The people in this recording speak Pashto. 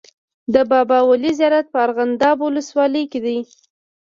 د بابا ولي زیارت په ارغنداب ولسوالۍ کي دی.